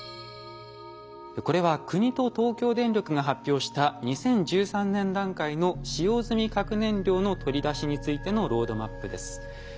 これは国と東京電力が発表した２０１３年段階の使用済み核燃料の取り出しについてのロードマップです。